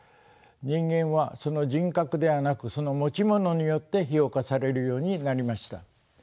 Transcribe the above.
人間はその人格ではなくその持ち物によって評価されるようになりました。